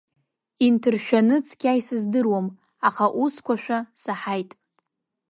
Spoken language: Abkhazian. Инҭыршәаны цқьа исыздыруам, аха усқәашәа саҳаит.